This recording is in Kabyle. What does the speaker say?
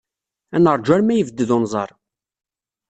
Ad neṛju arma yebded unẓar.